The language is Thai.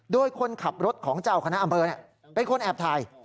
โดยคนขับรถของเจ้าคณะอำเภอเป็นคนแอบถ่าย